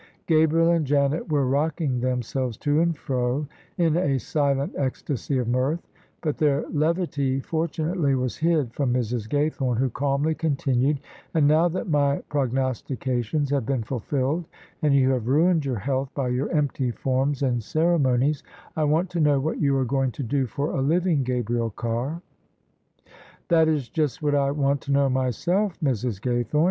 Gabriel and Janet were rocking themselves to and fro in a silent ecstasy of mirth : but their levity fortunately was hid from Mrs. Gaythome, who calmly continued: "And now that my prognostications have been fulfilled and you have ruined your health by your empty forms and cere monies, I want to know what you are going to do for a living, Gabriel Carr?" " That is just what I want to know myself, Mrs. Gay * thome.